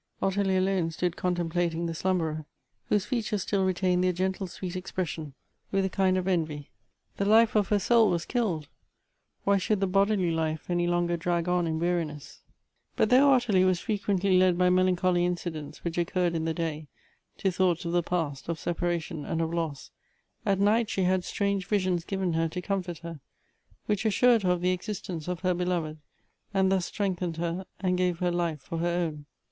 Ottilie alone stood contemplating the slumberer, whose features still retained their gentle sweet expression, with a kind of envy. The Elective Affinities. 235 life of her soul wns killed ; why should the bodily life any longer drag on in weariness ? But though OttMie was frequently led by melancholy incidents which occurred in the day, to thoughts of the past, of separation and of loss, at night she had strange visions given her to comfort her, which assured her of the existence of her beloved, and thus strengthened her, and gave her life for her own.